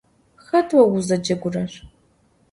Xet vo vuzdecegurer?